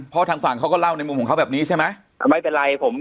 เพราะทางฝั่งเขาก็เล่าในมุมของเขาแบบนี้ใช่ไหมไม่เป็นไรผม